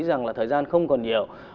rằng là thời gian không còn nhiều